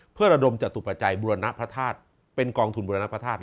เพื่อระดมจตุปัจจัยบุรณพระธาตุเป็นกองทุนบุรณพระธาตุ